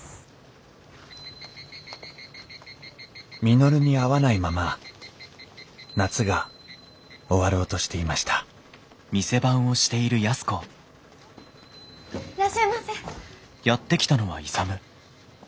・稔に会わないまま夏が終わろうとしていました・いらっしゃいませ。